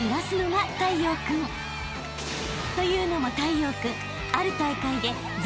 ［というのも太陽君］